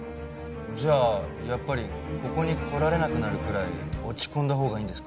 じゃあやっぱりここに来られなくなるくらい落ち込んだほうがいいんですか？